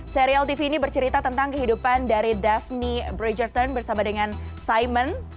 serial tv ini bercerita tentang kehidupan dari davni bridgerton bersama dengan simon